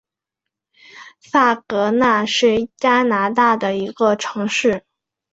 萨格奈是加拿大的一个城市。